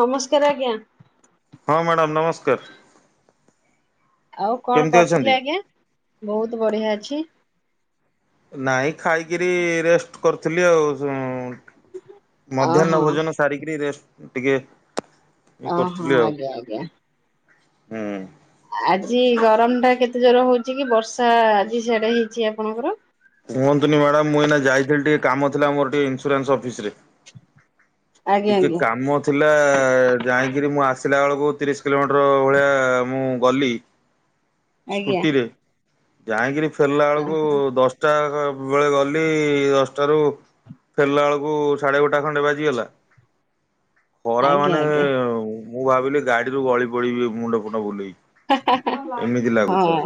ନମସ୍କାର ଆଜ୍ଞା। ହଁ ମ୍ୟାଡ଼ାାମ ନମସ୍କାର । ଆଉ କଣ କରିଥିଲ ଆଜ୍ଞା ବହୁତ ବଢିଆ ଅଛି। ନାଇଁ ଖାଇକିରି ରେଷ୍ଟ କରିଥିଲି ଆଉ ଓହୋ ମଧ୍ୟାହ୍ନ ଭୋଜନ ସାରିକରି ରେଷ୍ଟ ଟିକେ ଇଏ ଓ କରୁଥିଲି ହୋ ଆଉ ଆଜ୍ଞା ଆଜ୍ଞା ହୁଁ ଆଜି ଗରମ ଟା କେତେ ଜୋର ହଉଛି କି ବର୍ଷା ଆଜି ସେଆଡା ହେଇଛି ଆପଣଙ୍କର କୁହନ୍ତୁନି ମ୍ୟାଡାାମ ମୁଁ ଏଇନା ଯାଇଥିଲି ଟିକେ କାମ ଥିଲା ମୋର ଟିକେ ଇନ୍ସୁରାନ୍ସ ଅଫିସ ରେ ଆଜ୍ଞା ଟିକେ ଆଜ୍ଞା। କାମ ଥିଲା ଯାଇକିରି ମୁଁ ଆସି ସିଲବେଳକୁ ତିରିଶି କିଲୋମିଟର ଭଳିଆ ମୁଁ ଗଲି ଆଜ୍ଞା ସ୍କୁଟିରେ ଯାଇକିରି ଫେରିଲା ବେଳକୁ ଦଶଟା ସବୁବେଳେ ଗଲି ଦଶଟାରୁ ଫେରିଲା ବେଳକୁ ସାଢେ ଗୋଟା ଖଣ୍ଡେ ବାଜିଗଲା। ଖରା ଆଜ୍ଞା ମାନେ ଆଜ୍ଞା ମୁଁ ଭାବିଲି ଗାଡିରୁ ଗଳି ପଡିବି ମୁଣ୍ଡ ଫୁଣ୍ଡ ବୁଲେଇ ହଁ ଏମିତି ହଁ ଲାଗୁଥାଏ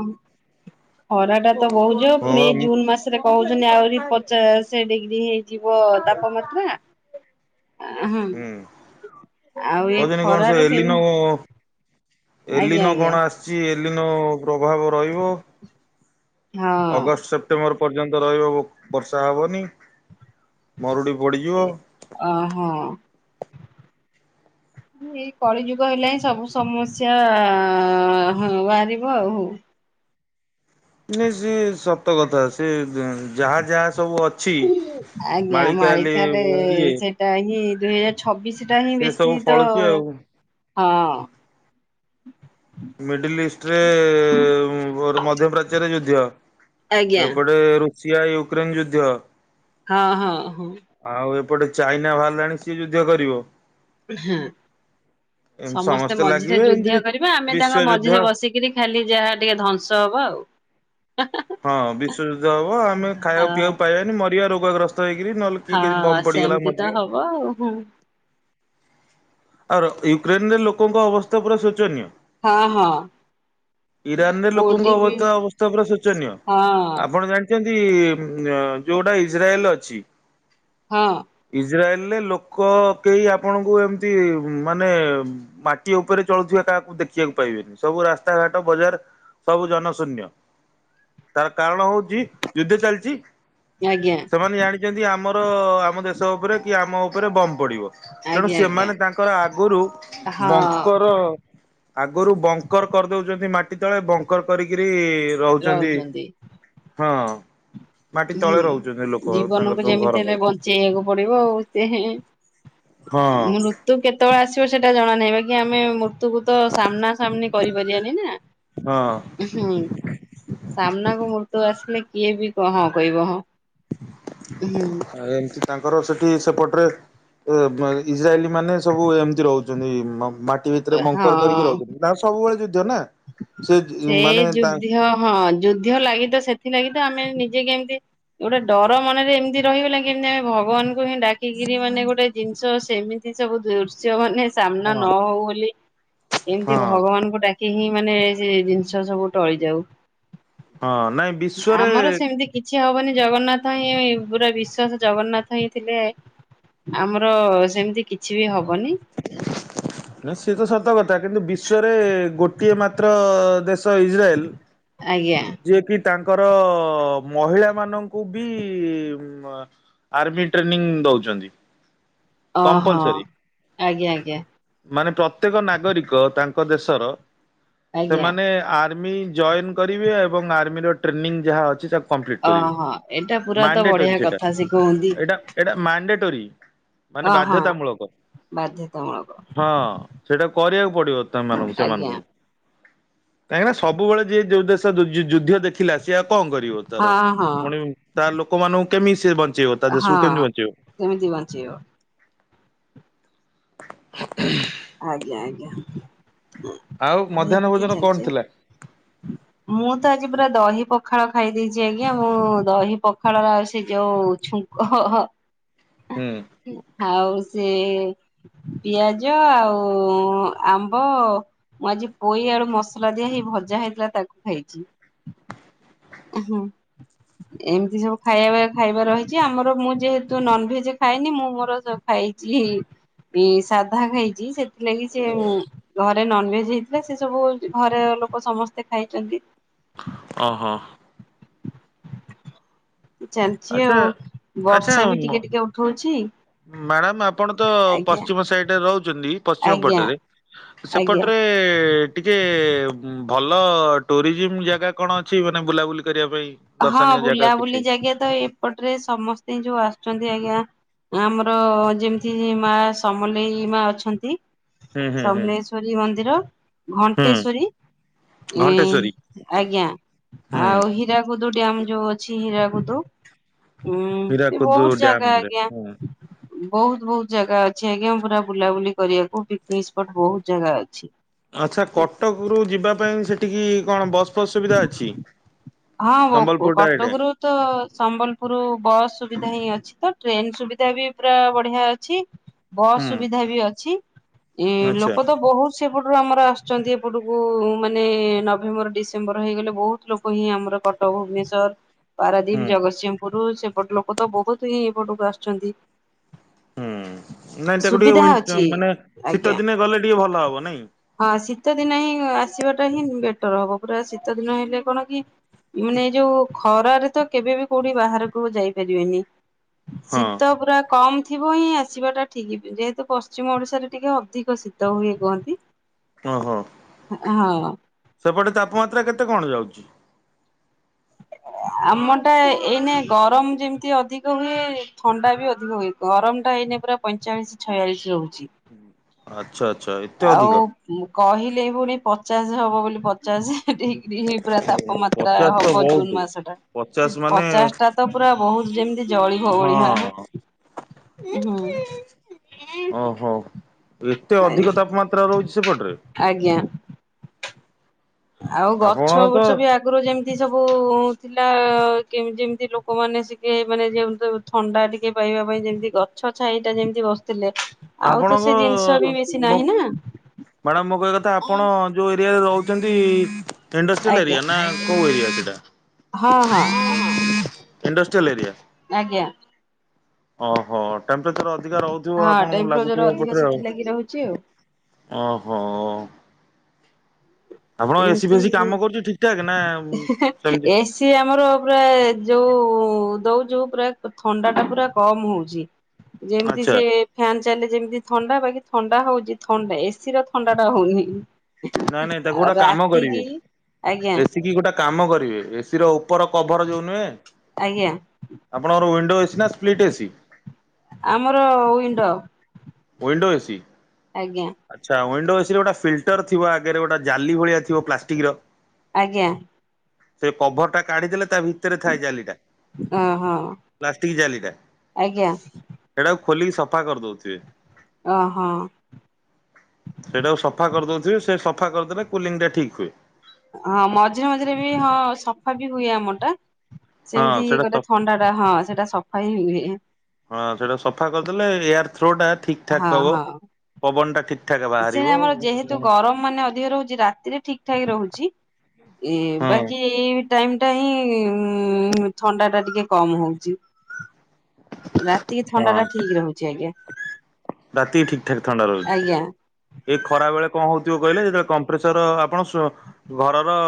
ଖରା ଟା ତ ବହୁଛ ହଁ ପୁଣି ବା ଏ ମୁଁ ଜୁନ୍ ମାସରେ କହୁଛ ଆହୁରି ପଚାଶ ଡିଗ୍ରୀ ହେଇଯିବ ତାପମାତ୍ରା ହଁ ହୁଁ ଆଉ ଏ ଭଜନିକଣ ଖରାରୁ ସେ କେମି ଏଲିନୋ ଆଜ୍ଞା ଏଲିନୋ ଆଜ୍ଞା କଣ ଆସିଛି? ଲିିନ ପ୍ରଭାବ ରହିବ। ଅଗଷ୍ଟ ହଁ। ସେପ୍ଟେମ୍ବର ପର୍ଯ୍ୟନ୍ତ ରହିବ ବର୍ଷା ହେବନି। ମରୁଡି ପଡିଯିବ। ଓହୋ ଏଇ କଳି ଯୁଗ ହେଲା ହିଁ ସବୁ ସମସ୍ୟା ବାହାରିବ ଆଉ। ନାଇଁ ସେ ସତ କଥା ସେ ଯାହା ଯାହା ସବୁ ଅଛି ଆଜ୍ଞା ମାଳିକାଆଲି ମାଳିକରେ ଇଏ ସେଇଟା ହିଁ ଦୁଇ ହଜାର ଛବିଶ ଟା ହିଁ ସେ ସବୁ ବେଶୀ ତ ଫଳୁଛି ଆଉ। ହଁ ହଁ ମିଡିଲ ଇଷ୍ଟରେ ମଧ୍ୟପାଚ୍ୟରେ ଯୁଦ୍ଧ ଆଜ୍ଞା ଏପଟ ରଶିଆ, ୟୁକ୍ରେନ ଯୁଦ୍ଧ। ହଁ ହଁ ହଁ ଆଉ ଏପଟେ ଚାଇନା ବାହାରିଲାଣି ସିଏ ଯୁଦ୍ଧ କରିବ। ହଁ ଏମିତି ସମସ୍ତେ ମଝିରେ ଲାଗିବେ ଏମିତି ଯୁଦ୍ଧ କରିବା ଆମେ ତାଙ୍କ ବିଶ୍ଵଯୁଦ୍ଧ ମଝିରେ ବସିକିରି ଖାଲି ଯାହା ଟିକେ ଧ୍ୱଂସ ହବ ଆଉ। ହଁ ବିଶ୍ୱଯୁଦ୍ଧ ହବ ଆମେ ଖାଇବା ଆଉ। ପିଇବାକୁ ପାଇବାନି ମରିବା ରୋଗଗ୍ରସ୍ତ ହେଇକିରି ନହେଲେ କିଏ କିଛି ହଁ ବମ୍ ପଡିଗଲା ସେମିତି ତ ମରିଯିବା। ହବ ଆଉ ହୁଁ। ଆଉ ୟୁକ୍ରେନ ରେ ଲୋକଙ୍କ ଅବସ୍ଥା ପୁରା ଶୋଚନୀୟ। ହଁ ହଁ। ଇରାନରେ ପୁଅଟି ଲୋକଙ୍କ ବି ଅବସ୍ଥା ଅବସ୍ଥା ପୁରା ଶୋଚନୀୟ ହଁ ଆପଣ ଜାଣିଛନ୍ତି। ନ୍ତି ଅମ୍ ଯୋଉଟା ଇଜ୍ରାଏଲ ଅଛି ହଁ ଇଜ୍ ଇଜ୍ରାଏଲରେ ଲୋକ କେହି ଆପଣଙ୍କୁ ଏମ ମାନେ ମାଟି ଉପରେ ଚଳୁଥିବା କାହାକୁ ଦେଖିବାକୁ ପାଇବେନି ସବୁ ରାସ୍ତାଘାଟ ବଜାର ସବୁ ଜନଶୂନ୍ୟ ତାର କାରଣ ହଉଛି ଯୁଦ୍ଧ ଚାଲିଛି ଆଜ୍ଞା ସେମାନେ ଜାଣିଛନ୍ତି ଆମର ଆମର ଆମ ଦେଶ ଉପରେ କି ଆମ ଉପରେ ବମ୍ ପଡିବ। ତେଣୁ ଆଜ୍ଞା ଆଜ୍ଞା। ସେମାନେ ତାଙ୍କର ଆଗରୁ ହଁ ବଙ୍କର ଆଗରୁ ବଙ୍କର କରିଦଉଛ ମାଟି ତଳେ ବଙ୍କର କରିକିରି ରହୁଛନ୍ତି ହଁ ମାଟି ହୁଁ ତଳେ ରହୁଛନ୍ତି ଲୋକ ତାଙ୍କର ଜୀବନକୁ ସବୁ ଘର ଯେମିତି ହେଲେ କରି ବଞ୍ଚେଇବାକୁ ପଡିବ ଆଉ ସେ ହଁ ମୃତ୍ୟୁ କେତେବେଳେ ଆସ ସେଟା ଜଣା ନାହିଁ ବା କି ଆମେ ମୃତ୍ୟୁକୁ ତ ସାମ୍ନା ସାମ୍ନି କରିପାରିବାନି ନା ହଁ ହଁ ସାମ୍ନାକୁ ମୃତ୍ୟୁ ଆସିଲେ କିଏ ବି କହ କହିବ ହଁ ଆଉ ଏମିତି ତାଙ୍କ ର ସେଠି ସେପଟରେ ଇ୍ର ମାନେ ସବୁ ଏମିତି ରହୁଛି [unintelligible] ଭିତରେ ମଙ୍କର କରିକି ରହୁଛନ୍ତି ସବୁବେଳେ ଯଦି ଜନା ସେଇ ଯୁଦ୍ଧ ହଁ ଯୁଦ୍ଧ ଲାଗି ତ ସେଥିଲାଗି ତ ଆମେ ନିଜେ କେମତି ଗୋଟେ ଡର ମନରେ ଏମିତି ରହଗଲା କେମିତି ଆମେ ଭଗବାନ ଡାକିରି ମାନେ ଗୋଟେ ଜିଷ ଅଛି ସେମିତି ସବୁ ଦୃଶ୍ୟ ମାନେ ସାମ୍ନା ହଁ ନ ହଉ ବୋଲି କେମିତି ହଁ ଭଗବାନଙ୍କୁ ଡାକିକି ମାନେ ଏ ସେ ଜିନିଷ ସବୁ ଟଳି ଯାଉ। ହଁ ନାଇଁ ବିଶ୍ଵରେ ଆମର ସେମିତି କିଛି ହବନି ଜଗନ୍ନାଥ ହିଁ ପୁରା ବିଶ୍ଵାସ ଜଗନ୍ନାଥ ହିଁ ଥିଲେ ଆମର ସେମିତି କିଛି ବି ହବ ନ ସେତ ସତ କଥା କିନ୍ତୁ ବିଶ୍ୱରେ ଗୋଟିଏ ମାତ୍ର ଦେଶ ତ ଇସ୍ରାଏଲ ଆଜ୍ଞା। ଯିଏ କିି ତାଙ୍କର ମହିଳା ମାନଙ୍କୁ ବି ଆର୍ମି ଟ୍ରେନିଂ ଦଉଛନ୍ତି। ଓ ହୋ କମ୍ପଲସରୀ ମାନେ ପ୍ରତ୍ୟେକ ନାଗରିକ ତାଙ୍କ ଦେଶର ଆଜ୍ଞା ସେମାନେ ଆ ଆ ଜଏ କରିବେ ଆ ଯା ଓହୋ ଏଇଟା ପୁରା ତ ବଢିଆ ସେଇଟା କଥା ଶିଖନ୍ତି। ଏଇଟା ଏଇଟା [inaudible] ମାନେ ବାଧ୍ୟତାମୂଳକ ବାଧ୍ୟତାମୂଳକ ହଁ ସେଇଟା କରିବାକୁ ପଡିବ ସେମାନଙ୍କୁ ଆଜ୍ଞା ସେମାନଙ୍କୁ କାହିଁକିନା ସବୁବେଳେ ଯିଏ ଯୋଉ ଦେଶ ଯୁଦ୍ଧ ଦେଖିଲା ସିଏ ଆଉ କଣ କରିବ ତାର ହଁ ହଁ ପୁଣି ତାର ଲୋକମାନଙ୍କୁ କେମିତି ସେ ବଞ୍ଚି ହଁ କେମିତି ବଞ୍ଚେଇବ । ହ ଆଜ୍ଞା ଆଜ୍ଞା। ଆଉ ଆ ମଧ୍ୟାହ୍ନ ଏମତି ଭୋଜନ କଣ ଚାଲିଛି ଥିଲା? ଆଉ ମୁଁ ତ ଆଜି ପୁରା ଦହି ପଖା ପଖାଳ ଖାଇ ଦେଇଛି ଆଜ୍ଞା ମୁଁ ଦହି ପଖାଳର ଆଉ ସେ ଯୋଉ ଛୁଙ୍କ ହୁଁ। ଆଉ ସେ ପିଆଜ ଆଉ ଆମ୍ବ ମୁଁ ଆଜି ପୋଇ ଆଳୁ ମସଲା ଦିଆ ହେଇ ଭଜା ହେଇଥିଲା ତାକୁ ଖାଇଛି । ହଁ ଏମିତି ସବୁ ଖାଇବା ଖାଇବା ରହିଛି ଆମର ମୁଁ ଯେହେତୁ ନନଭେଜ ଖାଏନି ମୁଁ ମୋର ଖାଇଛି ସାଧା ଖାଇଛି ସେ ସେଥିଲାଗି ସେ ଘରେ ନନଭେଜ ହେଇଥିଲା ସେ ସବୁ ଘରେ ଲୋକ ସମସ୍ତେ ଖାଇଛନ୍ତି ଓହୋ ଚାଲିଛି ଆଚ୍ଛା ଆଉ ଆଚ୍ଛା ବର୍ଷା ବି ଟିକେ ଟିକେ ଉଠଉଛି ମ୍ୟାଡ଼ାମ ଆପଣ ତ ଆଜ୍ଞା ପଶ୍ଚିମ ସାଇଡରେ ରହୁଛନ୍ତି ପଶ୍ଚିମ ଆଜ୍ଞା ପଟରେ ଆଜ୍ଞା ସେପଟରେ ଟିକେ ଭଲ ଟୁରିଜିମ ଜାଗା କଣ ଅଛି ମାନେ ବୁଲାବୁଲି କରିବା ପାଇଁ ହଁ ଦର୍ଶନୀୟ ଜାଗା ବୁଲାବୁଲି କିଛି ଜାଗା ତ ଏପଟରେ ସମସ୍ତେ ଯୋଉ ଆସୁଛନ୍ତି ଆଜ୍ଞା ଆମର ଯେମିତି ମା ସମଲେଇ ମା ଅଛନ୍ତି ହୁଁ ହୁଁ ହୁଁ ସମଲେଶ୍ଵରୀ ମନ୍ଦିର ହୁଁ ଘଣ୍ଟେଶ୍ଵରୀ ଏ ଘଣ୍ଟେଶ୍ଵରୀ ଆଜ୍ଞା ହୁଁ ଆଉ ହୀରା କୁଦ ଡ୍ୟାମ ଯୋଉ ଅଛି ହୀରାକୁୁଦୁ । ହୁଁ ସେ ହୀରାକୁଦୁ ବହୁତ ଜାଗା ଡ୍ୟାମରେ ଆଜ୍ଞା। ହୁଁ। ବହୁତ ବହୁତ ଜାଗା ଅଛି ଆଜ୍ଞା ପୁରା ବୁଲାବୁଲି କରିବାକୁ ପିକ୍ନିକ୍ ସ୍ପଟ ବହୁତ ଜାଗା ଅଛି। ଆଚ୍ଛା କଟକ ରୁ ଯିବା ପାଇଁ ସେଠିକି କଣ ବସ୍ ଫସ ସୁୁବିଧା ଅଛି? ହଁ ସମ୍ବଲପୁର ଡାଇରେକ୍ଟ କଟକରୁ ତ ସମ୍ବଲପୁର ବସ୍ ସୁବିଧା ହିଁ ଅଛି ତ ଟ୍ରେନ ସୁବିଧା ବି ପୁରା ବଢିଆ ଅଛି। ବସ୍ ହୁଁ ସୁବିଧା ବି ଅଛି । ଏ ଆଚ୍ଛା ଲୋକ ତ ବହୁତ ସେପଟରୁ ଆମର ଆସୁଛନ୍ତି ଏପଟକୁ ମାନେ ନଭେମ୍ବର ଡିସେମ୍ବର ହେଇଗଲେ ବହୁତ ଲୋକ ଆମର କଟକ ଭୁବନେଶ୍ୱର ପାରାଦୀପ, ହୁଁ ଜଗତସିଂହପୁର ସେ ପଟ ଲୋକ ତ ବହୁତ ହିଁ ଏପଟକୁ ଆସୁଛନ୍ତି। ହୁଁ ନାଇଁ ତାକୁ ଟିକେ ସୁବିଧା ଉଇଁଟ ଅଛି ମାନେ ଆଜ୍ଞା ଶୀତ ଦିନେ ଗଲେ ଟିକେ ଭଲ ହବ ନାଇଁ। ଶୀତଦିନେ ହିଁ ଆସିବାଟା ହିଁ ବେଟର ହବ ପୁରା ଶୀତଦିନ ହେଲେ କଣ ଉଁ ମୁନେ ଯୋଉ ଖରା ଘରେ ତ କେବେବି କୋଉଠି ବାହାରକୁ ଯାଇପାରିବେନି। ହଁ ଶୀତ ପୁରା କମ୍ ଥି ଥିବ ହିଁ ଆସିବାଟା ଠିକ୍ ଯେ ତ ପଶ୍ଚିମ ଓଡିଶାରେ ଟିକେ ଅଧିକ ଶୀତ ହୁଏ କୁହନ୍ତି। ଅହ ହଁ ସେପଟେ ତାପମାତ୍ରା କେତେ କଣ ଯାଉଚି? [inaudible] ଆମ ଟା ଏଇନେ ଗରମ ଯେମିତି ଅଧିକ ହୁଏ ଥଣ୍ଡା ବି ଅଧିକ ହୁଏ। ଗରମ ଟା ଏଇନେ ପୁରା ପଇଁଚାଳିଶ ଛୟାଳିଶ ରହୁ ଜି। ଆଜ୍ଞା ଆଉ କହିଲେ ପୁଣି ପଚ ଚାଷ ହବ ବୋଲି ପଚାଶେ [unintelligible] ଡିଗ୍ରୀ ପୁରା ତାପମାତ୍ରା ପଚାଶ ତ ହବ ବହୁତ। ଜୁନ ମାସ ଟା ପଚାଶ ମାନେ ପଚାଶ ଟା ତ ପୁରା ବହୁତ ଯେମିତି ଜଳିବ ହଁ ଓହୋ। [unintelligible] ଏତେ ଅଧିକ ତାପମାତ୍ରା ରହୁଛି ସେପଟରେ ଆଜ୍ଞା ଆଉ ଆପଣ ଗଛ ତ ବୁଛ ବି ଆଗରୁ ଯେମିତି ସବୁ କଁଉଥିଲା କେମିତି ଏମିତି ଲୋକମାନେ ସିକିଏ ମାନେ ଯେ ଥଣ୍ଡା ଟିକେ ପାଇବା ପାଇଁ ଯେମିତି ଗଛ ଛାଇଟା ଯେମିତି ବସିଥିଲେ। ଆଉ ତ ସେ ଜିନିଷ ବି ବେଶି ନାହିଁ ନା। ମାଡାମ ମୋ କହିବା କଥା ଆପଣ ରହୁଛନ୍ତି। ଇଣ୍ଡଷ୍ଟ୍ରିଲ ଆଜ୍ଞା ଏରିଆ ନା କୋଉ ଏରିଆ? [inaudible] ହଁ ହଁ ଏଁ ଆଜ୍ଞା। ଅହୋ ଟେମ୍ପ୍ରେଚର ଅ ଅଧିକା ରହୁଥିବ ହଁ ଆପଣଙ୍କୁ ଟେମ୍ପରେଚର ଲାଗୁଥିବ ଅଧିକ ଏପଟରେ ଆଉ। ସେଥିଲାଗି ରହୁଛି ଆଉ। ଓହୋ! ଅ ଏମତି ନା ସେମିତି ଏସି ଆମର ପୁରା ଯୋଉ ଦଉଚୁ ପୁରା ଥଣ୍ଡା ଟା ପୁରା କମ ହଉଚି। ଯେମିତି ଆଚ୍ଛା ସେ ଫ୍ୟାନ୍ ଚାଲେ ଯେମତି ଥଣ୍ଡା ବାକି ଥଣ୍ଡା ହଉଚି, ଥଣ୍ଡା ଏସି ର ଥଣ୍ଡା ଟା ହଉନି। ନାଇଁ, ନାଇଁ ତାକୁ ଗୋଟେ କାମ ରାତିକି କରିବେ, ଆଜ୍ଞା ଏସି କି ଗୋଟେ କାମ କରିବେ। ଏସି ର ଉପର କଭର୍ ଯୋଉ ନୁହେଁ ଆଜ୍ଞା ଆପଣଙ୍କର ୱିଣ୍ଡୋ ଏସି ନା ସ୍ପ୍ଲିଟ ଏସି? ଆମର ୱିଣ୍ଡୋ ୱିଣ୍ଡୋ ଏସି ଆଜ୍ଞା ଆଚ୍ଛା ୱିନ୍ ୱିଣ୍ଡୋ ଏସି ର ଗୋଟେ ଫଲଟର୍ଥିବ ଆଗରେ ଗୋଟେ ଜାଲି ଭଳିଆ ଥିବ ପ୍ଲାଷ୍ଟିକ୍ ର ଆଜ୍ଞା। ସେ କଭର୍ ଟା କାଢିଦଲେ ତା ଭିତରେ ଥାଏ ଜାଲିଟା, ଓହୋ ପ୍ଲାଷ୍ଟିକ୍ ଜାଲିଟା ଆଜ୍ଞା ସେଟାକୁ ଖୋଲିକି ସଫା କରିଦଉଥିବେ। ଓ ହଁ। ସେଇଟାକୁ ସଫା କରିଦଉଥିବ, ସେ ସଫା କରିଦେନେ କୁଲିଂ ଟା ଠିକ ହୁଏ। ହଁ ମଝିରେ ମଝିରେ ବି ହଁ ସଫା ବି ହୁଏ ଆମ ଟା ହଁ ସେମିତି ଇଏ ସେଇଟା ସ ଗୋଟେ ଥଣ୍ଡା ଟା ହଁ ସେଟା ସଫା ହିଁ ହୁଏ। ହଁ ସେଇଟା ସଫା କରିଦେଲେ ଏୟାର ଥ୍ରୋ ଟା ଠିକଠାକ ହବ, ପବନ ଟା ଠିକ କିଛି ନାହିଁ ଆମର ଯେହେତୁ ଗରମ ମାନେ ଅଧିକ ରହୁଚି, ରାତିରେ ଠିକ ଠାକ ରହୁଚି। ଏ ବାକି ଏଇ ଟାଇମ୍ ସେଟା ହିଁ ଉଁ, ଥଣ୍ଡା ଟା ଟିକେ କମ ହଉଚି। ରାତିକି ଥଣ୍ଡା ଟା ଠିକ ରହୁଚି ଆଜ୍ଞା। ରାତିକି ଠିକଠାକ ଥଣ୍ଡା ରହୁଛି, ଆଜ୍ଞା ଏଇ ଖରା ବେଳେ କଣ ହଉ ଯୋଉ କହିଲେ ଯେତେବଳେ କମ୍ପ୍ରେଚର ଆପଣ ସୋ- ଘରର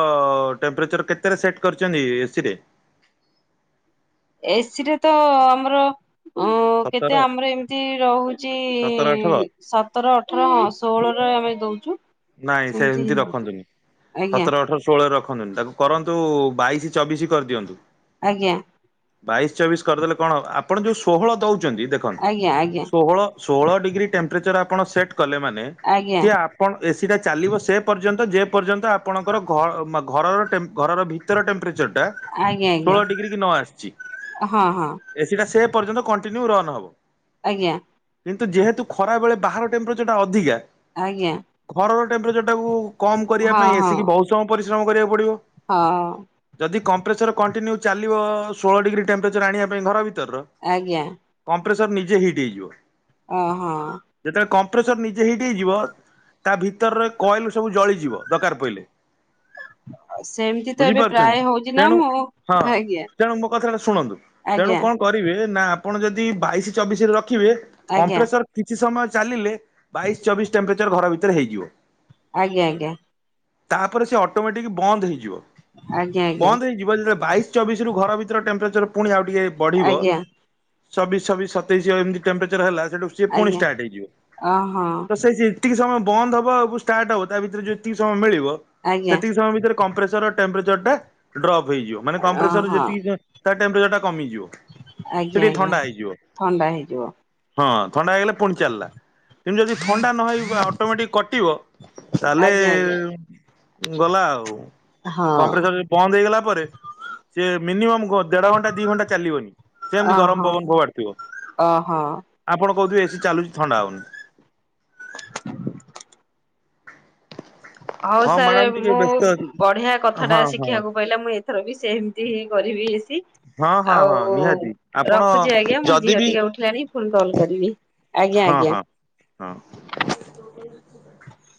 ଟେମ୍ପ୍ରେଚର କେତେରେ ସେଟ୍ କରିଚନ୍ତି ଏ ଏସିରେ? ଏସି ରେ ତ ଆମର ଅଁ, ସତର କେତେ ଆମର ଏମତି ରହୁଚି ସତର ଅଠର ସତର ଅଠର ହଁ ଷୋହଳ ରେ ଆମେ ଦଉଚୁ। ନାଇଁ ସେମତି ରଖନ୍ତୁନି, ଆଜ୍ଞା ସତର, ଅଠର, ଷୋହଳ ରେ ରଖନ୍ତୁନି, ତାକୁ କରନ୍ କୁ ବାଇଶି ଚବିଶି କରିଦିଅନ୍ତୁ। ଆଜ୍ଞା। ବାଇଶି ଚବିଶି କରିଦେଲେ କଣ ଆପଣ ଯୋଉ ଷୋହଳ ଦଉ ଚନ୍ତି ଦେଖନ୍ତୁ ଆଜ୍ଞା ଷୋହଳ ଷୋହଳ ଡିଗ୍ରୀ ଟେମ୍ପ୍ରେଚର ଆ ପଣ ସେଟ କଲେ ମାନେ ଆଜ୍ଞା ସେ ଆପଣ ଚାଲିବ ସେ ପର୍ଯ୍ୟନ୍ତ ଯେ ପର୍ଯ୍ୟନ୍ତ ଆପଣଙ୍କର ଘ ମ ଘର ର ଟେ ଘର ର ଭିତର ଟେମ୍ପ୍ରେ ଚର ଟା ଆଜ୍ଞା ଆଜ୍ଞା ଆଜ୍ଞା ଷୋଳ ଡିଗ୍ରୀ କି ନ ଆସିଚି। ହଁ ହଁ ଏ ସି ଟା ସେ ପର୍ଯ୍ୟନ୍ତ କ ନ୍ତୁ ରନ ହବ। ଆଜ୍ଞା। କିନ୍ତୁ ଯେହେତୁ ଖରାବେଳେ ବାହାର ଟେମ୍ପ୍ରେଚର ଟା ଅଧିକା ଆଜ୍ଞା। ଘର ଟେମ୍ପ୍ରେଚର ଟାକୁ କମ କରିଆ ହଁ ପାଇଁ ଏ ହଁ ସି କି ବହୁତ ସମୟ ପରି ଶ୍ରମ କରିଆକୁ ପଡ଼ିବ। ହଁ ଯଦି କମ୍ପ୍ରେଚର କଣ୍ଟିନ୍ୟୁ ଚାଲିବ ଷୋହଳ ଡିଗ୍ରୀ ଟେମ୍ପ୍ରେଚର ଆଣିଆ ପାଇଁ ଘର ଭି ତର ର ଆଜ୍ଞା କ କଂପ୍ରେସର ନିଜେ ହିଟ ହେଇଯିବ। ଓ ହଁ। କଂପ୍ରେସର ନିଜେ ହିଟ ହେଇଯିବ ତା ଭିତର ର କଏଲ ସବୁ ଜଳିଯିବ ଦରକାର ପଇଲେ। ସେମିତି ତ ଏବେ ବୁଝିପାରୁଛନ୍ତି ପ୍ରାୟ ହଉଛି ନା ତେଣୁ ମୁଁ ହଁ ଆଜ୍ଞା ତେଣୁ ମୋ କଥାଟା ଶୁଣନ୍ତୁ ତେଣୁ ଆଜ୍ଞା କଣ କରିବେ ନା ଆପଣ ଯଦି ବାଇଶି ଚବିଶିରେ ର ଖିବେ ଆଜ୍ଞା କମ୍ପ୍ରେସର କିଛି ସମୟ ଚାଲିଲେ ବାଇଶି ଚବିଶି ଟେମ୍ପ୍ରେଚର ଘର ଭି ତରେ ହେଇଯିବ। ଆଜ୍ଞା ଆଜ୍ଞା। ତାପରେ ସେ ଅଟୋମେଟିକି ବନ୍ଦ ହେଇଯିବ। ଆଜ୍ଞା ବନ୍ଦ ହେଇଯିବ ଯେତେବେଳେ ବାଇଶି ଚବିଶି ରୁ ଘର ଭିତର ଟେମ୍ପ୍ରେଚର ପୁଣି ଆଉ ଟିକେ ବଢିବ ଆଜ୍ଞା ଆଜ୍ଞା ଚବିଶି ଛବିଶି ସତେଇଶି ଆଉ ଏମତି ଟେମ୍ପ୍ରେଚର ହେଲା ସେଠୁ ସିଏ ପୁଣି ଆଜ୍ଞା ଷ୍ଟାର୍ଟ ହେଇଯିବ। ଓହଁ ତ ସେଇ ଯେତିକି ସମୟ ବନ୍ଦ ହବ ଆକୁ ଷ୍ଟାର୍ଟ ହବ ତା ଭିତରେ ଯେତିକି ସମୟ ମିଳିବ ଆଜ୍ଞା ସେତିକି ସମୟ ଭିତରେ କମ୍ପ୍ରେସର ଟେମ୍ପ୍ରେଚର ଟେମ୍ପରେଚର ଡ୍ରପ୍ ହେଇଯିବ ମାନେ କମ୍ପ୍ରେସର ଓହଁ ଯେତିକି ତା ଟେମ୍ପରେଚର ଟା କମିଯିବ ସେ ଆଜ୍ଞା ଟିକେ ଆଜ୍ଞା ଥଣ୍ଡା ହେଇଯିବ ଥଣ୍ଡା ହେଇଯିବ। ହଁ ଥଣ୍ଡା ହେଇଗଲେ ପୁଣି ଚାଲିଲା ଏମିତି ଯଦି ଥଣ୍ଡା ନ ହେଇ ଅଟୋମାଟିକ କଟିବ ତାହେଲେ ଆଜ୍ଞା ଆଜ୍ଞା। ଗଲା ଆଉ ହଁ କମ୍ପ୍ରେସର ବନ୍ଦ ହେଇଗଲା ପରେ ସେ ମିନିମମ୍ ଦେଢ ଘଣ୍ଟା ଦି ଘଣ୍ଟା ଚାଲିବନି ସେମିତି ଗରମ ଓହୋ ପବନ ଫୋପାଡୁଥିବ ବ ଓହୋ। ଆପଣ କହୁଥିବେ ଚାଲୁଛି ଥଣ୍ଡା ହଉନ [inaudible] ହଉ ହଁ ସାର୍ ମ୍ୟାଡାମ ଟିକେ ମୁଁ ବ୍ୟସ୍ତ ବଢିଆ ଅଛି କଥାଟା ହଁ ହଁ ଶିଖିବାକୁ ପାଇଲି ମୁଁ ଏଥର ବି ସେମିତି ହିଁ କରିବି ହଁ ହଁ ହଁ ଆଉ ନିହାତି ଆପଣ ରଖୁଛି ଆଜ୍ଞା ମୋ ଯଦି ଝିଅ ବି ଟିକେ ଉଠିଲାଣି ଫୁଣି କଲ କରିବି ଆଜ୍ଞା ହଁ ଆଜ୍ଞା ହଁ ହଁ। [inaudible]